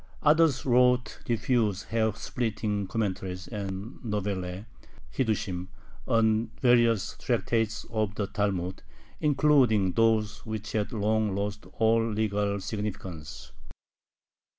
Others wrote diffuse hair splitting commentaries and novellae (hiddushim) on various tractates of the Talmud, including those which had long lost all legal significance.